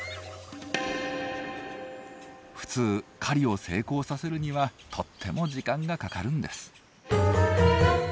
普通狩りを成功させるにはとっても時間がかかるんです。